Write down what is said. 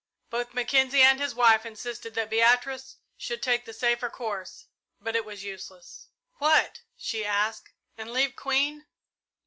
Both Mackenzie and his wife insisted that Beatrice should take the safer course, but it was useless. "What?" she asked, "and leave Queen?